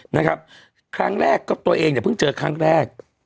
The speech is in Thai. นะครับครั้งแรกก็ตัวเองเนี่ยเพิ่งเจอครั้งแรก